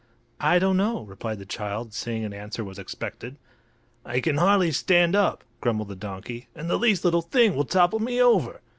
"I don't know," replied the child, seeing an answer was expected. "I can hardly stand up," grumbled the donkey; "and the least little thing will topple me over."